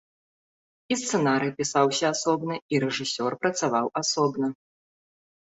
І сцэнарый пісаўся асобна, і рэжысёр працаваў асобна.